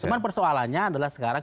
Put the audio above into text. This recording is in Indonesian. cuman persoalannya adalah sekarang